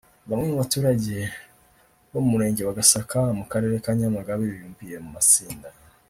Bamwe mu baturage bo mu Murenge wa Gasaka mu Karere ka Nyamagabe bibumbiye mu matsinda